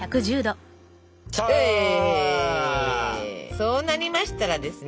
そうなりましたらですね